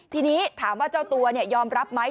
ทีนี้ถามว่าเจ้าตัวยอมรับไหม